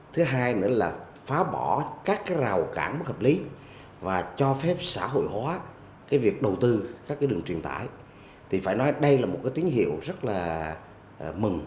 thứ hai nữa là phá bỏ các cái rào cản bất hợp lý và cho phép xã hội hóa cái việc đầu tư các cái đường truyền tải thì phải nói đây là một cái tín hiệu rất là mừng